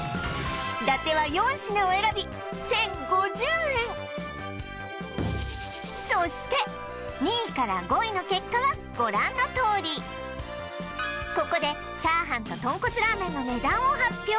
伊達は４品を選び１０５０円そして２位から５位の結果はご覧のとおりここで炒飯と豚骨ラーメンの値段を発表